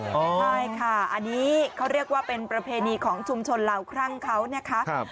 ใช่ค่ะอันนี้เขาเรียกว่าเป็นประเพณีของชุมชนเหล่าครั่งเขานะคะ